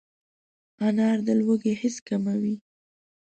انار د لوږې حس کموي.